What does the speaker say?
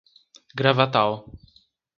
Gravatal